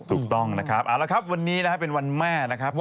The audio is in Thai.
ถูกต้องนะครับเอาละครับวันนี้นะครับเป็นวันแม่นะครับ